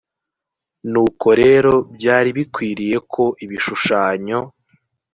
nuko rero byari bikwiriye ko ibishushanyo